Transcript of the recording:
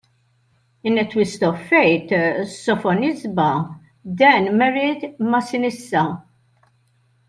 In a twist of fate, Sophonisba then married Masinissa.